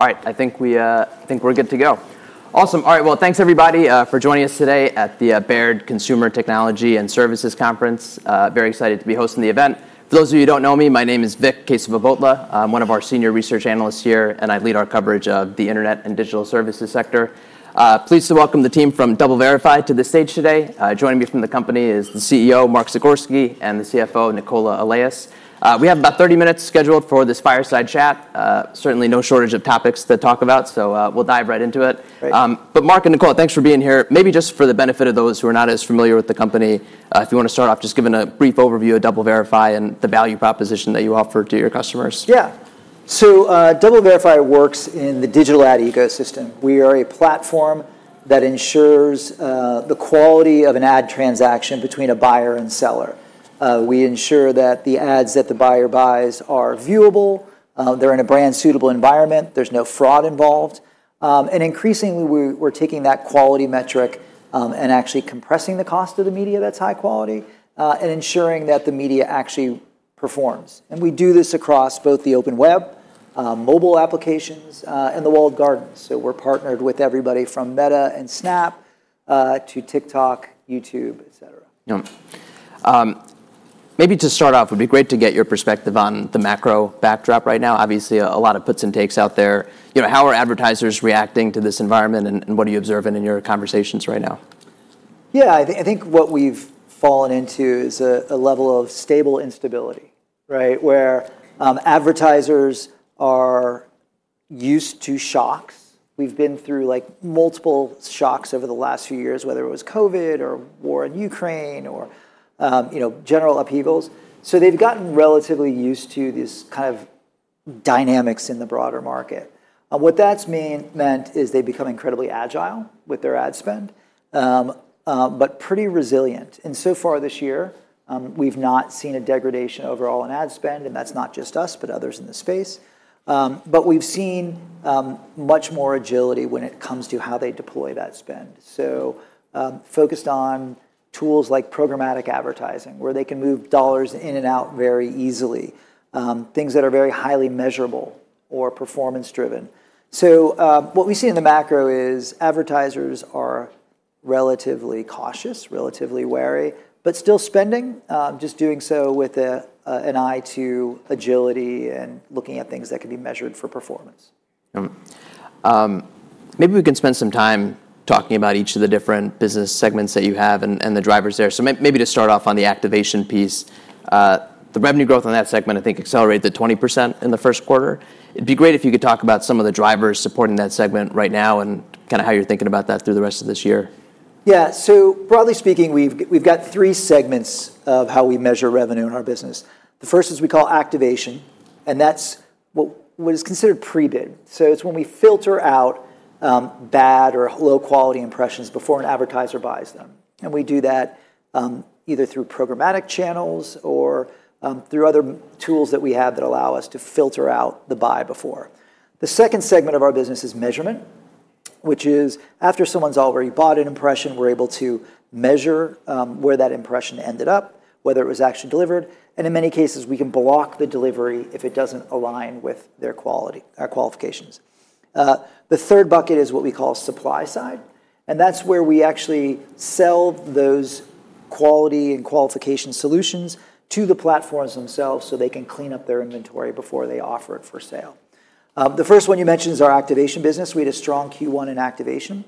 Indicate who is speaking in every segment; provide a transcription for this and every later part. Speaker 1: All right. I think we're good to go. Awesome. All right. Thanks, everybody, for joining us today at the Baird Consumer Technology and Services Conference. Very excited to be hosting the event. For those of you who don't know me, my name is Vikram Kesavabhotla. I'm one of our Senior Research Analysts here, and I lead our coverage of the internet and digital services sector. Pleased to welcome the team from DoubleVerify to the stage today. Joining me from the company is the CEO, Mark Zagorski, and the CFO, Nicola Allais. We have about 30 minutes scheduled for this fireside chat. Certainly, no shortage of topics to talk about, so we'll dive right into it. Mark and Nicola, thanks for being here. Maybe just for the benefit of those who are not as familiar with the company, if you want to start off just giving a brief overview of DoubleVerify and the value proposition that you offer to your customers.
Speaker 2: Yeah. DoubleVerify works in the digital ad ecosystem. We are a platform that ensures the quality of an ad transaction between a buyer and seller. We ensure that the ads that the buyer buys are viewable, they're in a brand-suitable environment, there's no fraud involved. Increasingly, we're taking that quality metric and actually compressing the cost of the media that's high quality and ensuring that the media actually performs. We do this across both the open web, mobile applications, and the walled gardens. We're partnered with everybody from Meta and Snap to TikTok, YouTube, et cetera.
Speaker 1: Maybe to start off, it would be great to get your perspective on the macro backdrop right now. Obviously, a lot of puts and takes out there. How are advertisers reacting to this environment, and what are you observing in your conversations right now?
Speaker 2: Yeah. I think what we've fallen into is a level of stable instability, where advertisers are used to shocks. We've been through multiple shocks over the last few years, whether it was COVID or war in Ukraine or general upheavals. They've gotten relatively used to these kind of dynamics in the broader market. What that meant is they've become incredibly agile with their ad spend, but pretty resilient. So far this year, we've not seen a degradation overall in ad spend, and that's not just us, but others in the space. We've seen much more agility when it comes to how they deploy that spend. Focused on tools like programmatic advertising, where they can move dollars in and out very easily, things that are very highly measurable or performance-driven. What we see in the macro is advertisers are relatively cautious, relatively wary, but still spending, just doing so with an eye to agility and looking at things that can be measured for performance.
Speaker 1: Maybe we can spend some time talking about each of the different business segments that you have and the drivers there. Maybe to start off on the activation piece, the revenue growth on that segment, I think, accelerated to 20% in the first quarter. It'd be great if you could talk about some of the drivers supporting that segment right now and kind of how you're thinking about that through the rest of this year.
Speaker 2: Yeah. Broadly speaking, we have three segments of how we measure revenue in our business. The first is we call activation, and that is what is considered pre-bid. It is when we filter out bad or low-quality impressions before an advertiser buys them. We do that either through programmatic channels or through other tools that we have that allow us to filter out the buy before. The second segment of our business is measurement, which is after someone has already bought an impression, we are able to measure where that impression ended up, whether it was actually delivered. In many cases, we can block the delivery if it does not align with their qualifications. The third bucket is what we call supply side. That is where we actually sell those quality and qualification solutions to the platforms themselves so they can clean up their inventory before they offer it for sale. The first one you mentioned is our activation business. We had a strong Q1 in activation,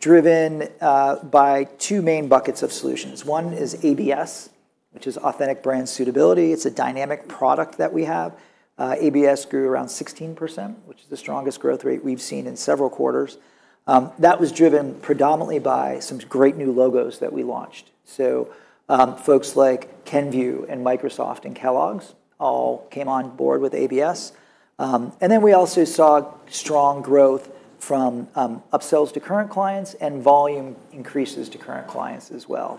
Speaker 2: driven by two main buckets of solutions. One is ABS, which is Authentic Brand Suitability. It's a dynamic product that we have. ABS grew around 16%, which is the strongest growth rate we've seen in several quarters. That was driven predominantly by some great new logos that we launched. Folks like Kenvue and Microsoft and Kellogg's all came on board with ABS. We also saw strong growth from upsells to current clients and volume increases to current clients as well.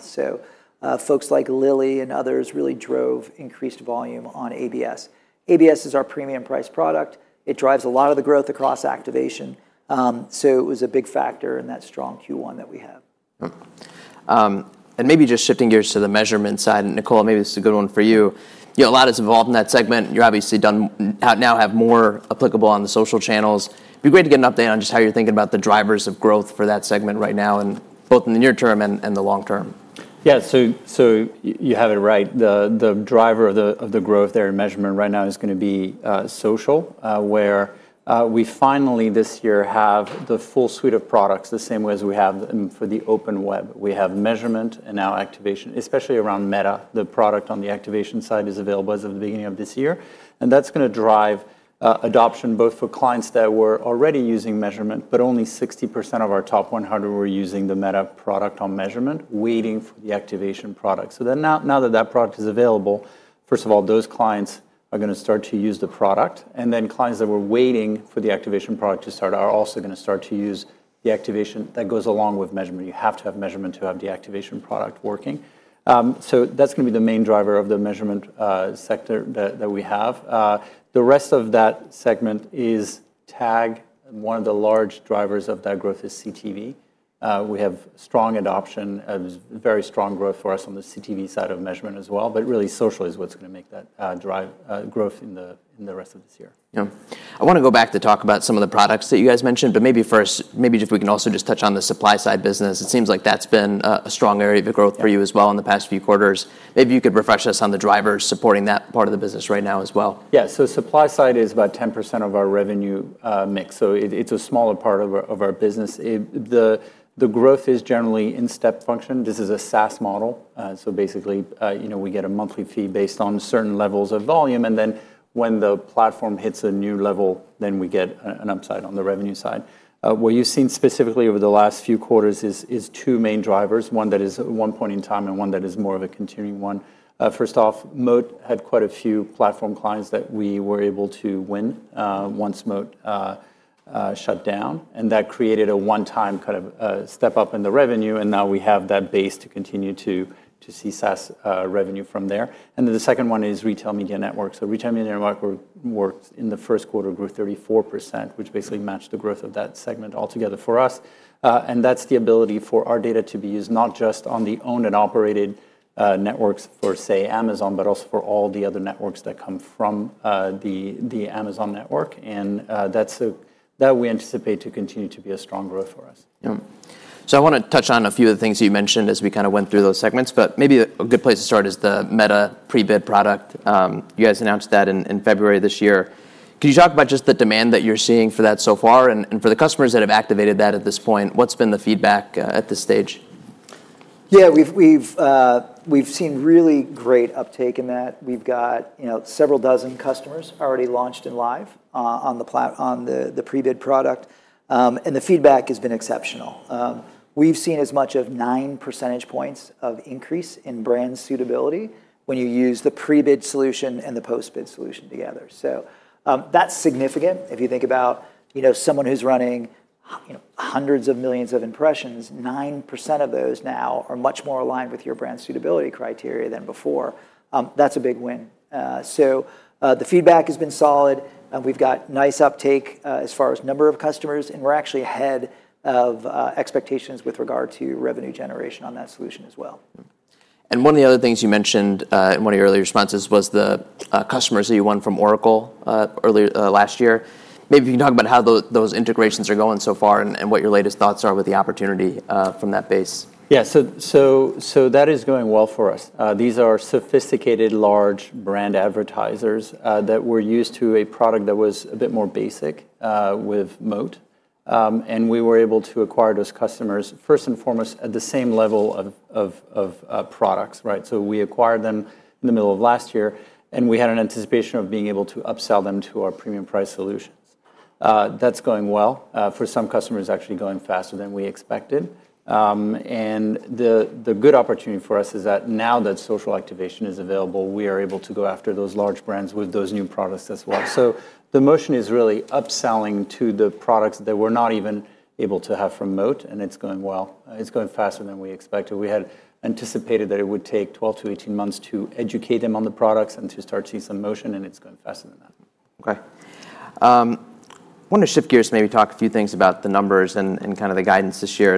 Speaker 2: Folks like Lilly and others really drove increased volume on ABS. ABS is our premium-priced product. It drives a lot of the growth across activation. It was a big factor in that strong Q1 that we have.
Speaker 1: Maybe just shifting gears to the measurement side, Nicola, maybe this is a good one for you. A lot is involved in that segment. You obviously now have more applicable on the social channels. It'd be great to get an update on just how you're thinking about the drivers of growth for that segment right now, both in the near-term and the long-term.
Speaker 3: Yeah. You have it right. The driver of the growth there in measurement right now is going to be social, where we finally this year have the full suite of products the same way as we have for the open web. We have measurement and now activation, especially around Meta. The product on the activation side is available as of the beginning of this year. That is going to drive adoption both for clients that were already using measurement, but only 60% of our top 100 were using the Meta product on measurement, waiting for the activation product. Now that that product is available, first of all, those clients are going to start to use the product. Clients that were waiting for the activation product to start are also going to start to use the activation that goes along with measurement. You have to have measurement to have the activation product working. That is going to be the main driver of the measurement sector that we have. The rest of that segment is tag. One of the large drivers of that growth is CTV. We have strong adoption and very strong growth for us on the CTV side of measurement as well. Really, social is what is going to make that drive growth in the rest of this year.
Speaker 1: I want to go back to talk about some of the products that you guys mentioned, but maybe first, maybe if we can also just touch on the supply side business. It seems like that's been a strong area of growth for you as well in the past few quarters. Maybe you could refresh us on the drivers supporting that part of the business right now as well.
Speaker 3: Yeah. Supply side is about 10% of our revenue mix. It is a smaller part of our business. The growth is generally in step function. This is a SaaS model. Basically, we get a monthly fee based on certain levels of volume. When the platform hits a new level, we get an upside on the revenue side. What you have seen specifically over the last few quarters is two main drivers, one that is one point in time and one that is more of a continuing one. First off, Moat had quite a few platform clients that we were able to win once Moat shut down. That created a one-time kind of step up in the revenue. Now we have that base to continue to see SaaS revenue from there. The second one is retail media network. Retail media network worked in the first quarter, grew 34%, which basically matched the growth of that segment altogether for us. That is the ability for our data to be used not just on the owned and operated networks for, say, Amazon, but also for all the other networks that come from the Amazon network. We anticipate that to continue to be a strong growth for us.
Speaker 1: I want to touch on a few of the things you mentioned as we kind of went through those segments. Maybe a good place to start is the Meta Pre-Bid product. You guys announced that in February this year. Could you talk about just the demand that you're seeing for that so far? For the customers that have activated that at this point, what's been the feedback at this stage?
Speaker 2: Yeah. We've seen really great uptake in that. We've got several dozen customers already launched and live on the pre-bid product. The feedback has been exceptional. We've seen as much as 9 percentage points of increase in brand suitability when you use the pre-bid solution and the post-bid solution together. That is significant. If you think about someone who's running hundreds of millions of impressions, 9% of those now are much more aligned with your brand suitability criteria than before. That's a big win. The feedback has been solid. We've got nice uptake as far as number of customers. We're actually ahead of expectations with regard to revenue generation on that solution as well.
Speaker 1: One of the other things you mentioned in one of your earlier responses was the customers that you won from Oracle earlier last year. Maybe if you can talk about how those integrations are going so far and what your latest thoughts are with the opportunity from that base.
Speaker 3: Yeah. So that is going well for us. These are sophisticated, large brand advertisers that were used to a product that was a bit more basic with Moat. And we were able to acquire those customers, first and foremost, at the same level of products. So we acquired them in the middle of last year. And we had an anticipation of being able to upsell them to our premium-priced solutions. That's going well. For some customers, actually going faster than we expected. The good opportunity for us is that now that social activation is available, we are able to go after those large brands with those new products as well. The motion is really upselling to the products that we were not even able to have from Moat. And it's going well. It's going faster than we expected. We had anticipated that it would take 12-18 months to educate them on the products and to start seeing some motion. It's going faster than that.
Speaker 1: Okay. I want to shift gears and maybe talk a few things about the numbers and kind of the guidance this year.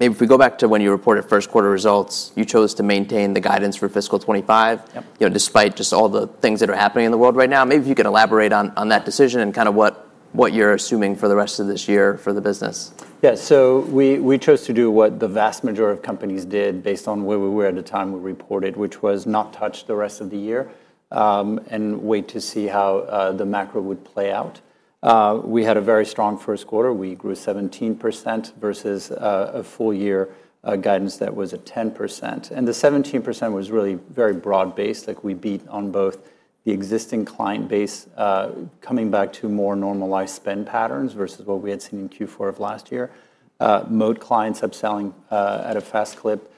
Speaker 1: Maybe if we go back to when you reported first quarter results, you chose to maintain the guidance for fiscal 2025 despite just all the things that are happening in the world right now. Maybe if you can elaborate on that decision and kind of what you're assuming for the rest of this year for the business.
Speaker 3: Yeah. So we chose to do what the vast majority of companies did based on where we were at the time we reported, which was not touch the rest of the year and wait to see how the macro would play out. We had a very strong first quarter. We grew 17% versus a full year guidance that was at 10%. The 17% was really very broad-based. We beat on both the existing client base coming back to more normalized spend patterns versus what we had seen in Q4 of last year. Moat clients upselling at a fast clip,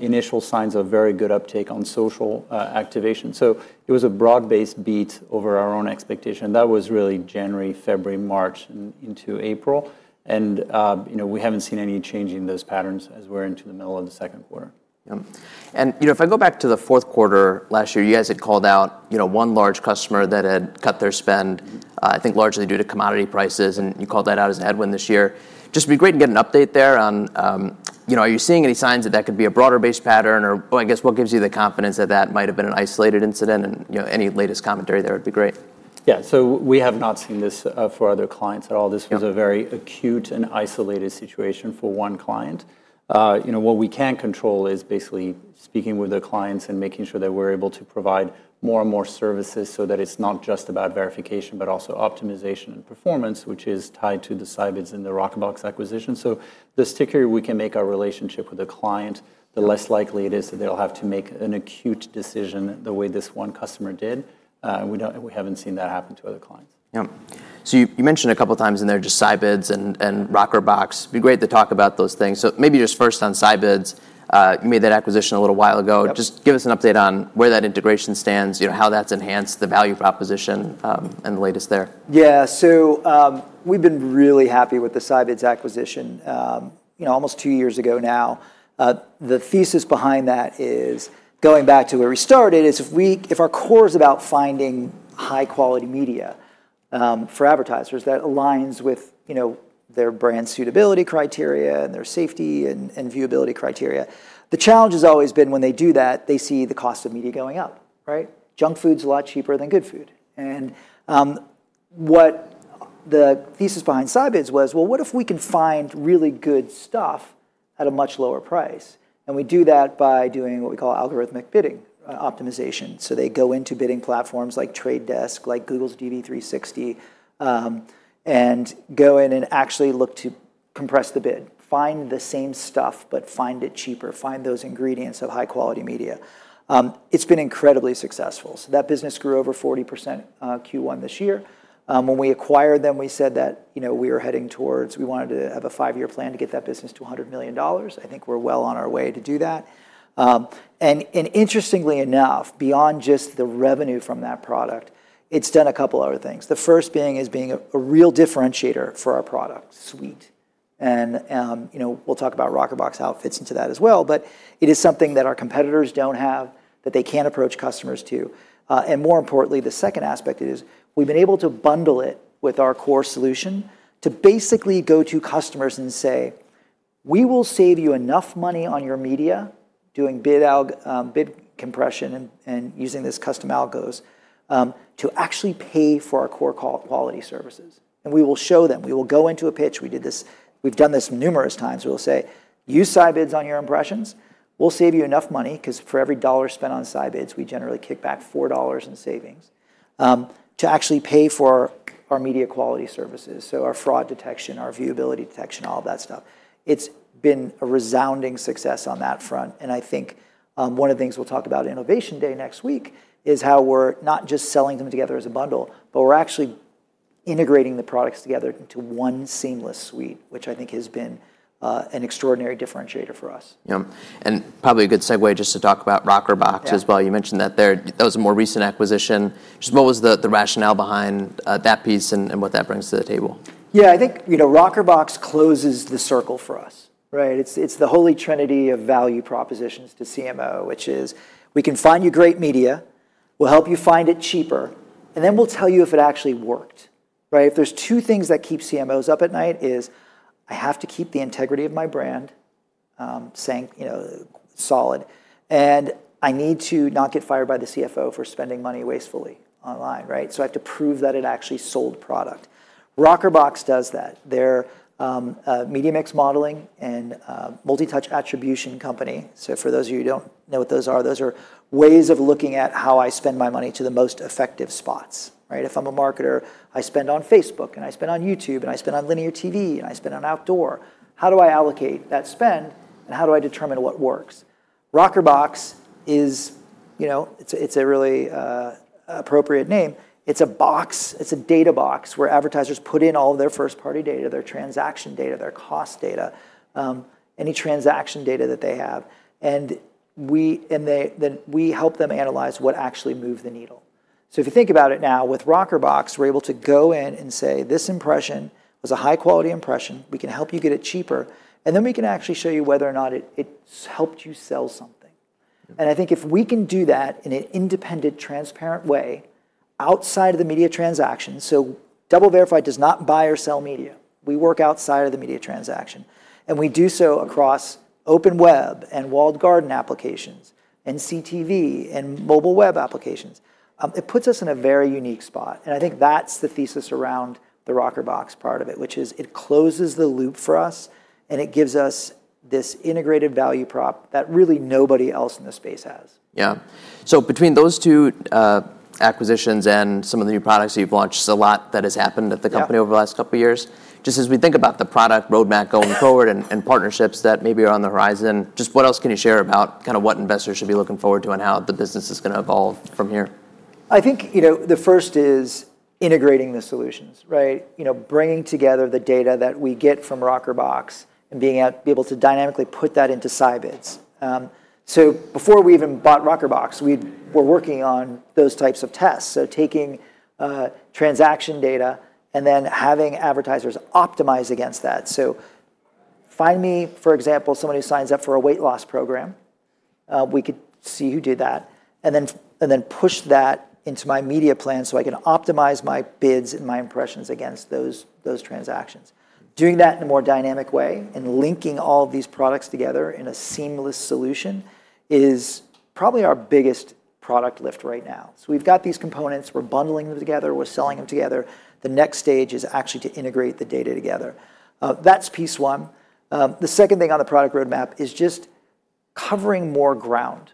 Speaker 3: initial signs of very good uptake on social activation. It was a broad-based beat over our own expectation. That was really January, February, March, and into April. We haven't seen any change in those patterns as we're into the middle of the second quarter.
Speaker 1: If I go back to the fourth quarter last year, you guys had called out one large customer that had cut their spend, I think largely due to commodity prices. You called that out as a headwind this year. Just be great to get an update there on are you seeing any signs that that could be a broader-based pattern? I guess what gives you the confidence that that might have been an isolated incident? Any latest commentary there would be great.
Speaker 3: Yeah. We have not seen this for other clients at all. This was a very acute and isolated situation for one client. What we can control is basically speaking with the clients and making sure that we're able to provide more and more services so that it's not just about verification, but also optimization and performance, which is tied to the SciBids and the Rockerbox acquisition. The stickier we can make our relationship with a client, the less likely it is that they'll have to make an acute decision the way this one customer did. We haven't seen that happen to other clients.
Speaker 1: You mentioned a couple of times in there just Scibids and Rockerbox. It'd be great to talk about those things. Maybe just first on Scibids, you made that acquisition a little while ago. Just give us an update on where that integration stands, how that's enhanced the value proposition and the latest there.
Speaker 2: Yeah. So we've been really happy with the Scibids acquisition almost two years ago now. The thesis behind that is going back to where we started is if our core is about finding high-quality media for advertisers that aligns with their brand suitability criteria and their safety and viewability criteria. The challenge has always been when they do that, they see the cost of media going up, right? Junk food's a lot cheaper than good food. And what the thesis behind Scibids was, well, what if we can find really good stuff at a much lower price? And we do that by doing what we call algorithmic bidding optimization. So they go into bidding platforms like The Trade Desk, like Google's DV360, and go in and actually look to compress the bid. Find the same stuff, but find it cheaper. Find those ingredients of high-quality media. It's been incredibly successful. That business grew over 40% Q1 this year. When we acquired them, we said that we were heading towards we wanted to have a five-year plan to get that business to $100 million. I think we're well on our way to do that. Interestingly enough, beyond just the revenue from that product, it's done a couple of other things. The first being as being a real differentiator for our product suite. We'll talk about Rockerbox, how it fits into that as well. It is something that our competitors do not have that they cannot approach customers to. More importantly, the second aspect is we've been able to bundle it with our core solution to basically go to customers and say, we will save you enough money on your media doing bid compression and using these custom algos to actually pay for our core quality services. We will show them. We will go into a pitch. We've done this numerous times. We'll say, use Scibids on your impressions. We'll save you enough money because for every dollar spent on Scibids, we generally kick back $4 in savings to actually pay for our media quality services. Our fraud detection, our viewability detection, all of that stuff. It's been a resounding success on that front. I think one of the things we'll talk about Innovation Day next week is how we're not just selling them together as a bundle, but we're actually integrating the products together into one seamless suite, which I think has been an extraordinary differentiator for us.
Speaker 1: Probably a good segue just to talk about Rockerbox as well. You mentioned that that was a more recent acquisition. Just what was the rationale behind that piece and what that brings to the table?
Speaker 2: Yeah. I think Rockerbox closes the circle for us, right? It's the holy trinity of value propositions to CMO, which is we can find you great media. We'll help you find it cheaper. And then we'll tell you if it actually worked, right? If there's two things that keep CMOs up at night is I have to keep the integrity of my brand solid. And I need to not get fired by the CFO for spending money wastefully online, right? I have to prove that it actually sold product. Rockerbox does that. They're a media mix modeling and multi-touch attribution company. For those of you who don't know what those are, those are ways of looking at how I spend my money to the most effective spots, right? If I'm a marketer, I spend on Facebook. I spend on YouTube. I spend on linear TV. I spend on outdoor. How do I allocate that spend? How do I determine what works? Rockerbox is a really appropriate name. It's a box. It's a data box where advertisers put in all of their first-party data, their transaction data, their cost data, any transaction data that they have. We help them analyze what actually moved the needle. If you think about it now, with Rockerbox, we're able to go in and say, this impression was a high-quality impression. We can help you get it cheaper. We can actually show you whether or not it helped you sell something. I think if we can do that in an independent, transparent way outside of the media transaction, DoubleVerify does not buy or sell media. We work outside of the media transaction. We do so across open web and walled garden applications and CTV and mobile web applications. It puts us in a very unique spot. I think that's the thesis around the Rockerbox part of it, which is it closes the loop for us. It gives us this integrated value prop that really nobody else in the space has.
Speaker 1: Yeah. So between those two acquisitions and some of the new products that you've launched, a lot that has happened at the company over the last couple of years. Just as we think about the product roadmap going forward and partnerships that maybe are on the horizon, just what else can you share about kind of what investors should be looking forward to and how the business is going to evolve from here?
Speaker 2: I think the first is integrating the solutions, right? Bringing together the data that we get from Rockerbox and being able to dynamically put that into Scibids. Before we even bought Rockerbox, we were working on those types of tests. Taking transaction data and then having advertisers optimize against that. Find me, for example, somebody who signs up for a weight loss program. We could see who did that and then push that into my media plan so I can optimize my bids and my impressions against those transactions. Doing that in a more dynamic way and linking all of these products together in a seamless solution is probably our biggest product lift right now. We have these components. We are bundling them together. We are selling them together. The next stage is actually to integrate the data together. That is piece one. The second thing on the product roadmap is just covering more ground.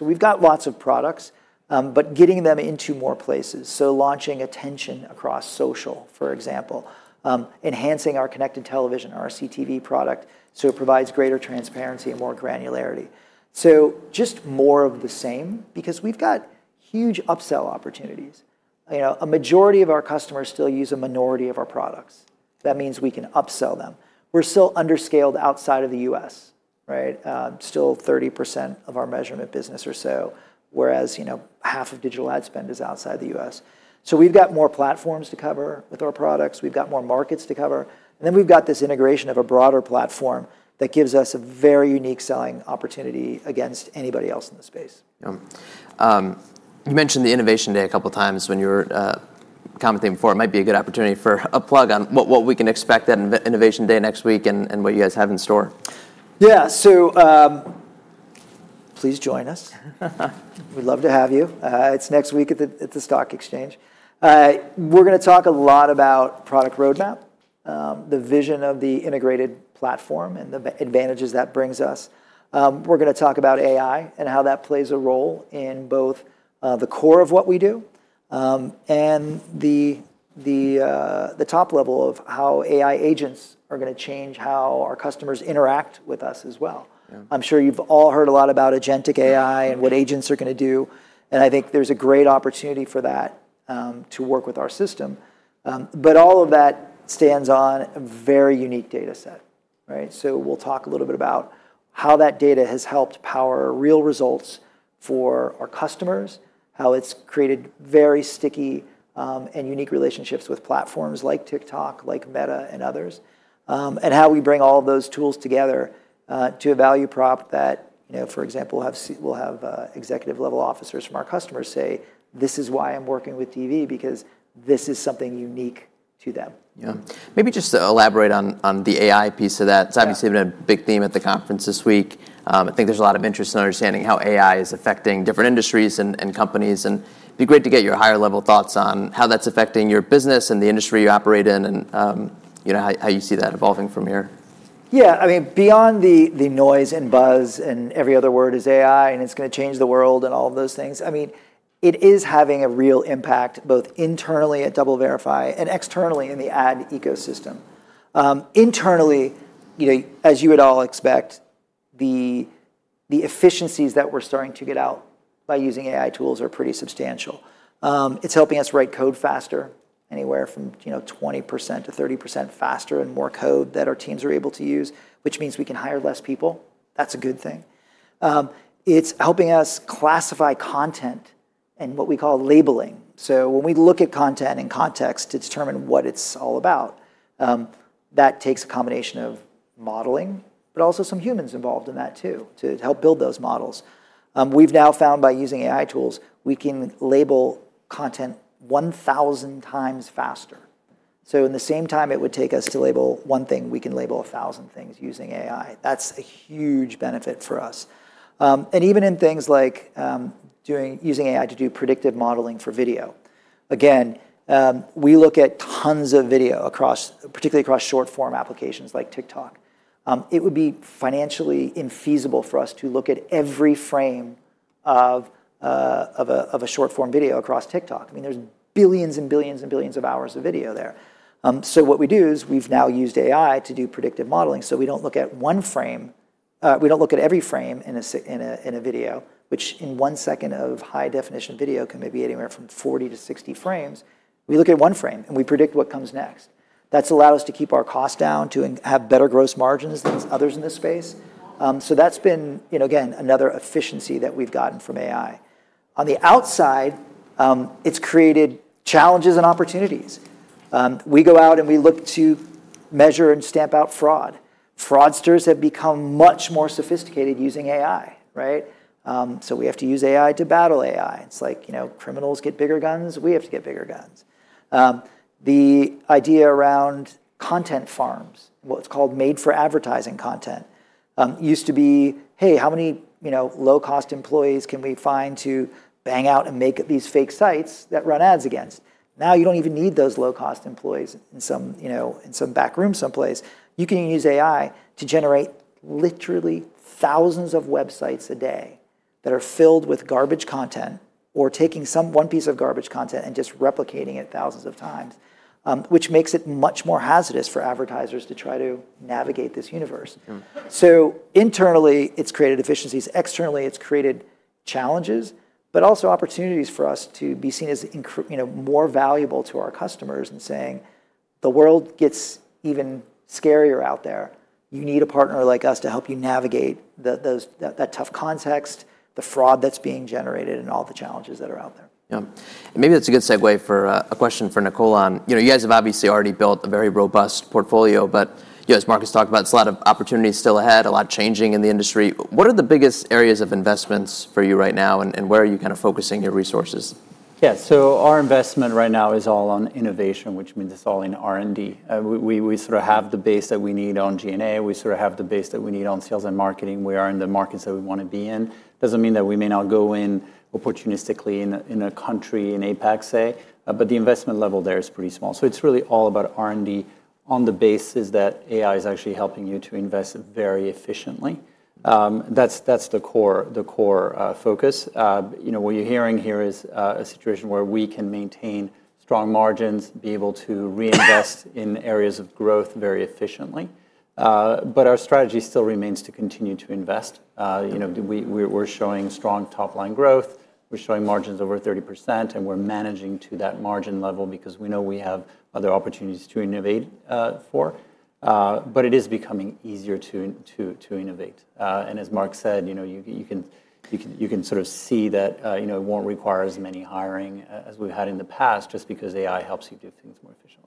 Speaker 2: We've got lots of products, but getting them into more places. Launching Attention across social, for example, enhancing our connected television, our CTV product so it provides greater transparency and more granularity. Just more of the same because we've got huge upsell opportunities. A majority of our customers still use a minority of our products. That means we can upsell them. We're still underscaled outside of the US, right? Still 30% of our measurement business or so, whereas half of digital ad spend is outside the US. We've got more platforms to cover with our products. We've got more markets to cover. We've got this integration of a broader platform that gives us a very unique selling opportunity against anybody else in the space.
Speaker 1: You mentioned the Innovation Day a couple of times when you were commenting before. It might be a good opportunity for a plug on what we can expect at Innovation Day next week and what you guys have in store.
Speaker 2: Yeah. So please join us. We'd love to have you. It's next week at the Stock Exchange. We're going to talk a lot about product roadmap, the vision of the integrated platform, and the advantages that brings us. We're going to talk about AI and how that plays a role in both the core of what we do and the top level of how AI agents are going to change how our customers interact with us as well. I'm sure you've all heard a lot about agentic AI and what agents are going to do. I think there's a great opportunity for that to work with our system. All of that stands on a very unique data set, right? We'll talk a little bit about how that data has helped power real results for our customers, how it's created very sticky and unique relationships with platforms like TikTok, like Meta, and others, and how we bring all of those tools together to a value prop that, for example, we'll have executive-level officers from our customers say, this is why I'm working with DV because this is something unique to them.
Speaker 1: Maybe just to elaborate on the AI piece of that. It's obviously been a big theme at the conference this week. I think there's a lot of interest in understanding how AI is affecting different industries and companies. It'd be great to get your higher-level thoughts on how that's affecting your business and the industry you operate in and how you see that evolving from here.
Speaker 2: Yeah. I mean, beyond the noise and buzz and every other word is AI and it's going to change the world and all of those things, I mean, it is having a real impact both internally at DoubleVerify and externally in the ad ecosystem. Internally, as you would all expect, the efficiencies that we're starting to get out by using AI tools are pretty substantial. It's helping us write code faster, anywhere from 20%-30% faster and more code that our teams are able to use, which means we can hire less people. That's a good thing. It's helping us classify content and what we call labeling. So when we look at content in context to determine what it's all about, that takes a combination of modeling, but also some humans involved in that too to help build those models. We've now found by using AI tools, we can label content 1,000x faster. In the same time it would take us to label one thing, we can label 1,000 things using AI. That's a huge benefit for us. Even in things like using AI to do predictive modeling for video. Again, we look at tons of video, particularly across short-form applications like TikTok. It would be financially infeasible for us to look at every frame of a short-form video across TikTok. I mean, there's billions and billions and billions of hours of video there. What we do is we've now used AI to do predictive modeling. We don't look at one frame. We don't look at every frame in a video, which in one second of high-definition video can maybe be anywhere from 40-60 frames. We look at one frame and we predict what comes next. That has allowed us to keep our cost down, to have better gross margins than others in this space. That has been, again, another efficiency that we have gotten from AI. On the outside, it has created challenges and opportunities. We go out and we look to measure and stamp out fraud. Fraudsters have become much more sophisticated using AI, right? We have to use AI to battle AI. It is like criminals get bigger guns. We have to get bigger guns. The idea around content farms, what is called made-for-advertising content, used to be, hey, how many low-cost employees can we find to bang out and make these fake sites that run ads against? Now you do not even need those low-cost employees in some backroom someplace. You can use AI to generate literally thousands of websites a day that are filled with garbage content or taking one piece of garbage content and just replicating it thousands of times, which makes it much more hazardous for advertisers to try to navigate this universe. Internally, it has created efficiencies. Externally, it has created challenges, but also opportunities for us to be seen as more valuable to our customers and saying, the world gets even scarier out there. You need a partner like us to help you navigate that tough context, the fraud that is being generated, and all the challenges that are out there.
Speaker 1: Yeah. Maybe that's a good segue for a question for Nicola on you guys have obviously already built a very robust portfolio. As Mark has talked about, it's a lot of opportunities still ahead, a lot changing in the industry. What are the biggest areas of investments for you right now? Where are you kind of focusing your resources?
Speaker 3: Yeah. So our investment right now is all on innovation, which means it's all in R&D. We sort of have the base that we need on G&A. We sort of have the base that we need on sales and marketing. We are in the markets that we want to be in. It does not mean that we may not go in opportunistically in a country, in APAC, say. The investment level there is pretty small. It is really all about R&D on the basis that AI is actually helping you to invest very efficiently. That is the core focus. What you are hearing here is a situation where we can maintain strong margins, be able to reinvest in areas of growth very efficiently. Our strategy still remains to continue to invest. We are showing strong top-line growth. We are showing margins over 30%. We're managing to that margin level because we know we have other opportunities to innovate for. It is becoming easier to innovate. As Mark said, you can sort of see that it won't require as much hiring as we've had in the past just because AI helps you do things more efficiently.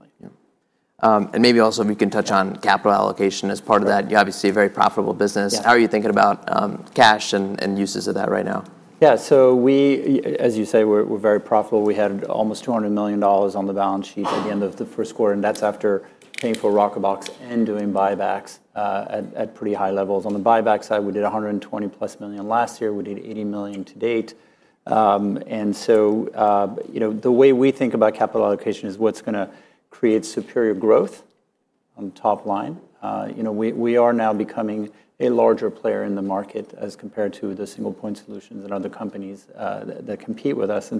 Speaker 1: Yeah. And maybe also if you can touch on capital allocation as part of that. You're obviously a very profitable business. How are you thinking about cash and uses of that right now?
Speaker 3: Yeah. As you say, we're very profitable. We had almost $200 million on the balance sheet at the end of the first quarter. That's after paying for Rockerbox and doing buybacks at pretty high levels. On the buyback side, we did $120 million+ last year. We did $80 million to date. The way we think about capital allocation is what's going to create superior growth on top line. We are now becoming a larger player in the market as compared to the single-point solutions and other companies that compete with us.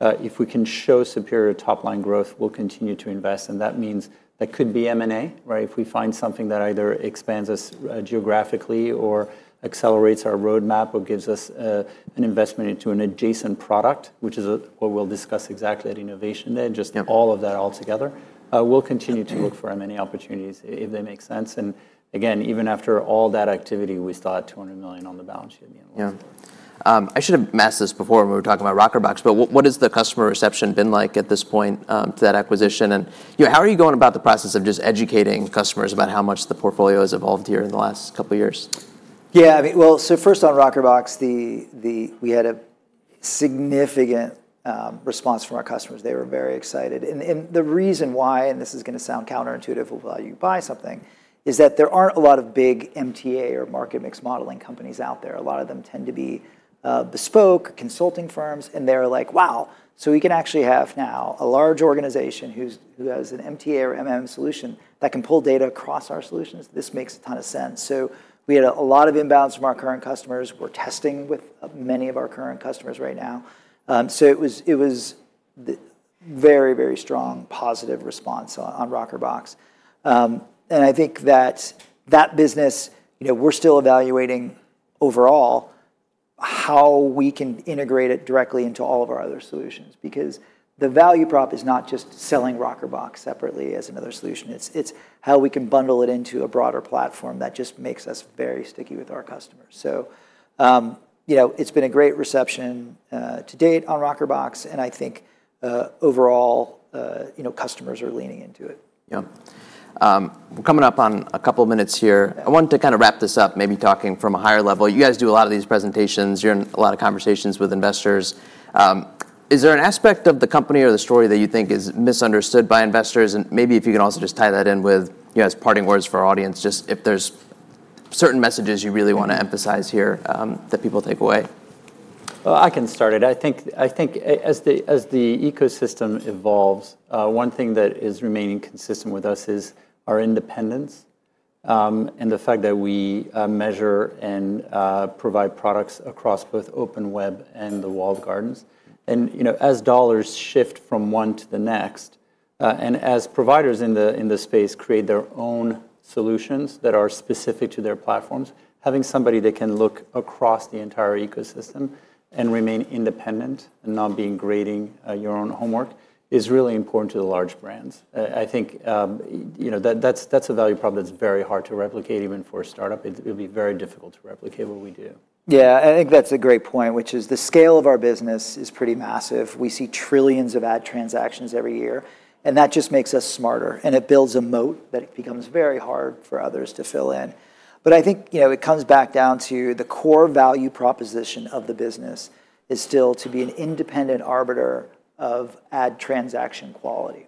Speaker 3: If we can show superior top-line growth, we'll continue to invest. That means that could be M&A, right? If we find something that either expands us geographically or accelerates our roadmap or gives us an investment into an adjacent product, which is what we'll discuss exactly at Innovation Day, just all of that altogether, we'll continue to look for M&A opportunities if they make sense. Again, even after all that activity, we still had $200 million on the balance sheet at the end of the year.
Speaker 1: Yeah. I should have asked this before when we were talking about Rockerbox. What has the customer reception been like at this point to that acquisition? How are you going about the process of just educating customers about how much the portfolio has evolved here in the last couple of years?
Speaker 2: Yeah. First on Rockerbox, we had a significant response from our customers. They were very excited. The reason why, and this is going to sound counterintuitive why you buy something, is that there are not a lot of big MTA or market-mix modeling companies out there. A lot of them tend to be bespoke consulting firms. They are like, wow, we can actually have now a large organization who has an MTA or solution that can pull data across our solutions. This makes a ton of sense. We had a lot of inbounds from our current customers. We are testing with many of our current customers right now. It was a very, very strong positive response on Rockerbox. I think that that business, we're still evaluating overall how we can integrate it directly into all of our other solutions because the value prop is not just selling Rockerbox separately as another solution. It's how we can bundle it into a broader platform that just makes us very sticky with our customers. It has been a great reception to date on Rockerbox. I think overall, customers are leaning into it.
Speaker 1: Yeah. We're coming up on a couple of minutes here. I wanted to kind of wrap this up, maybe talking from a higher level. You guys do a lot of these presentations. You're in a lot of conversations with investors. Is there an aspect of the company or the story that you think is misunderstood by investors? And maybe if you can also just tie that in with, you know, as parting words for our audience, just if there's certain messages you really want to emphasize here that people take away.
Speaker 3: I can start it. I think as the ecosystem evolves, one thing that is remaining consistent with us is our independence and the fact that we measure and provide products across both open web and the walled gardens. As dollars shift from one to the next and as providers in the space create their own solutions that are specific to their platforms, having somebody that can look across the entire ecosystem and remain independent and not be grading your own homework is really important to the large brands. I think that's a value prop that's very hard to replicate even for a startup. It would be very difficult to replicate what we do.
Speaker 2: Yeah. I think that's a great point, which is the scale of our business is pretty massive. We see trillions of ad transactions every year. That just makes us smarter. It builds a moat that becomes very hard for others to fill in. I think it comes back down to the core value proposition of the business is still to be an independent arbiter of ad transaction quality.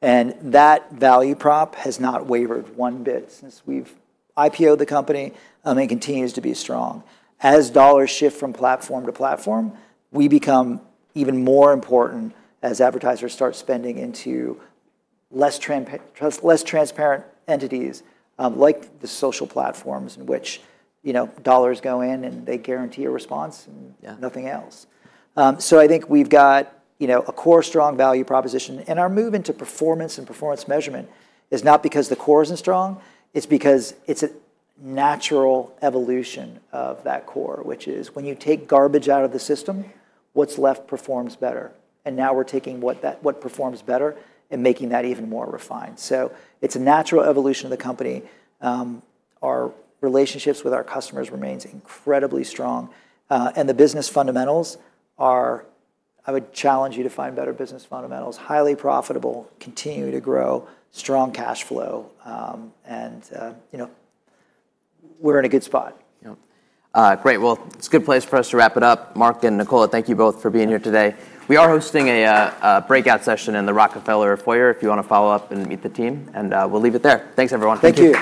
Speaker 2: That value prop has not wavered one bit since we've IPO'd the company and continues to be strong. As dollars shift from platform to platform, we become even more important as advertisers start spending into less transparent entities like the social platforms in which dollars go in and they guarantee a response and nothing else. I think we've got a core strong value proposition. Our move into performance and performance measurement is not because the core is not strong. It is because it is a natural evolution of that core, which is when you take garbage out of the system, what is left performs better. Now we are taking what performs better and making that even more refined. It is a natural evolution of the company. Our relationships with our customers remain incredibly strong. The business fundamentals are, I would challenge you to find better business fundamentals, highly profitable, continue to grow, strong cash flow. We are in a good spot.
Speaker 1: Yeah. Great. It is a good place for us to wrap it up. Mark and Nicola, thank you both for being here today. We are hosting a breakout session in the Rockefeller Foyer if you want to follow up and meet the team. We will leave it there. Thanks, everyone. Thank you.